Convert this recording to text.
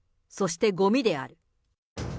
そして、ごみである。